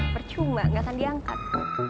percuma gak akan diangkat